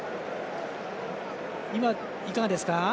今、いかがですか？